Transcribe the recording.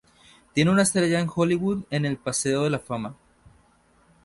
Tiene una estrella en Hollywood en el Paseo de la Fama.